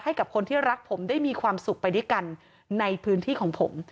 ให้กับคนที่รักผมได้มีความสุขไปด้วยกันในพื้นที่ของผม